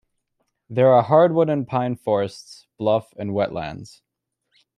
There are hardwood and pine forests, bluffs and wetlands.